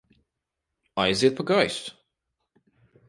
Aiziet pa gaisu!